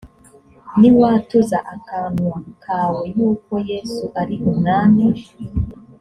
niwatuza akanwa kawe yuko yesu ari umwami